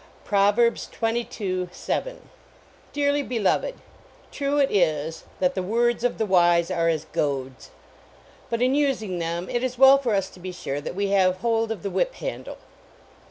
PROVERBS xxn, 7. KARLY 1JKLOVED, true it is that the words of the wise are as goads," but in using them it is well for us to be sure that we have hold of the whip handle.